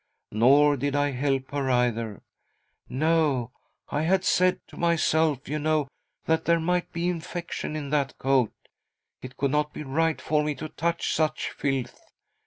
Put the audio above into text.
Nor did I help her either: No, I had said to myself, you know, that there might be infection in that coat — it could not be right for me to touch such filth.